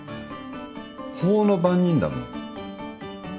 法の番人だもん。